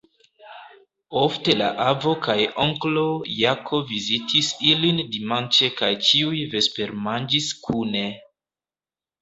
Ofte la avo kaj onklo Jako vizitis ilin dimanĉe kaj ĉiuj vespermanĝis kune.